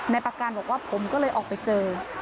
ปากการบอกว่าผมก็เลยออกไปเจอ